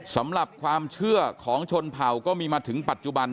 สำหรับความเชื่อของชนเผ่าก็มีมาถึงปัจจุบัน